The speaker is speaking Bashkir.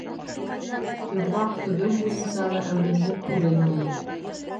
Торлаҡ төҙөү буйынса ла әүҙемлек һүрелмәй.